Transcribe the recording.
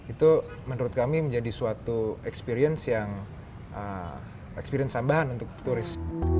itu menurut kami menjadi suatu experience yang experience tambahan untuk turis